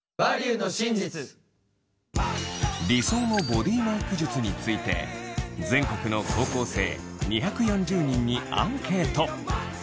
理想のボディーメイク術について全国の高校生２４０人にアンケート。